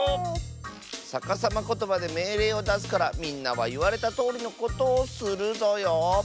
さかさまことばでめいれいをだすからみんなはいわれたとおりのことをするぞよ！